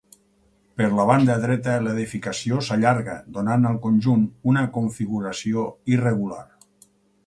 Per la banda dreta, l'edificació s'allarga donant al conjunt una configuració irregular.